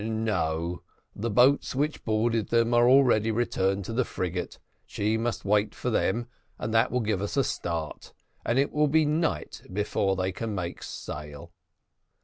"No, the boats which boarded them are already returned to the frigate; she must wait for them, and that will give us a start and it will be night before they can even make sail."